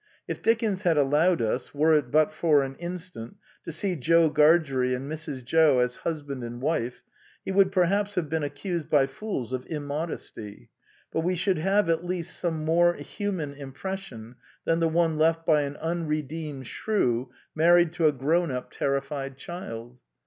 If Dickens had allowed us, were it but for an instant, to see Jo Gargery and Mrs. Jo as hus band and wife, he would perhaps have been ac cused by fools of inunodesty ; but we should have at least some more human impression than the one left by an unredeemed shrew married to a grown up terrified child.